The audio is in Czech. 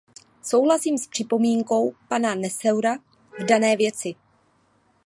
Souhlasím s připomínkou pana Nassauera v dané věci.